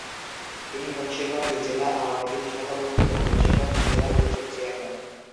তিনি মুন্সিগঞ্জ জেলা আওয়ামী লীগ সভাপতি ও মুন্সিগঞ্জ জেলা পরিষদ চেয়ারম্যান।